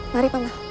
mari pak man